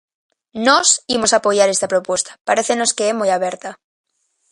Nós imos apoiar esta proposta, parécenos que é moi aberta.